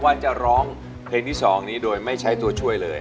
วันจะร้องเพลงที่๒นี้โดยไม่ใช้ตัวช่วยเลย